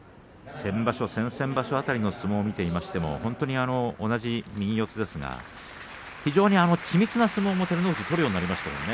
先場所、先々場所の相撲を見ていましても本当に同じ右四つですが非常に緻密な相撲取るようになりましたね